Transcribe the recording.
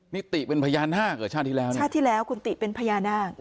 นิติเป็นพญานาคเหรอชาติที่แล้วนะชาติที่แล้วคุณติเป็นพญานาค